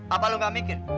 apa lu gak mikir